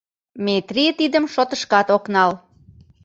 Метрий тидым шотышкат ок нал.